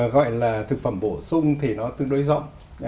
gọi là thực phẩm bổ sung thì nó tương đối rộng